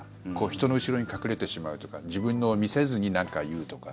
人の後ろに隠れてしまうとか自分を見せずに何か言うとか。